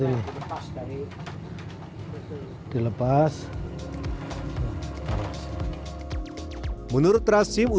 wah ini dilepas seperti ini